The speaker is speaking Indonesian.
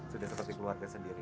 sudah seperti keluarga sendiri